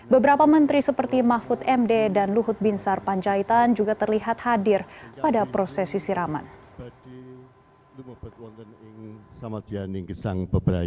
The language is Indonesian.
beberapa menteri seperti mahfud md dan luhut binsar panjaitan juga terlihat hadir pada prosesi siraman